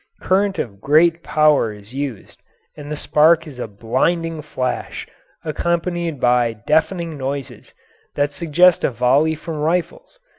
Current of great power is used, and the spark is a blinding flash accompanied by deafening noises that suggest a volley from rifles.